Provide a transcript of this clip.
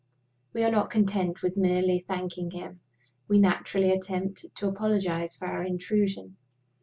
We are not content with merely thanking him; we naturally attempt to apologize for our intrusion.